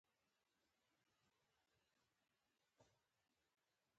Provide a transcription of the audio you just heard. د شپاړسم لویي ژغورنې په پلمه یې د برید هوډ وکړ.